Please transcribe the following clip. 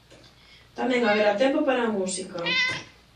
Tamén haberá tempo para a música.